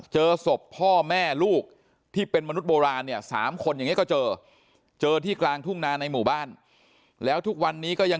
เจอศพพ่อแม่ลูกที่เป็นมนุษย์โบราณเนี่ย